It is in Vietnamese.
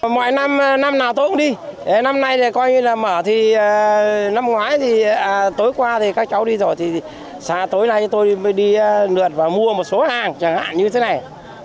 mọi năm năm nào tôi cũng đi năm nay là coi như là mở thì năm ngoái thì tối qua thì các cháu đi rồi thì sáng tối nay tôi mới đi lượt và mua một số hàng chẳng hạn như thế này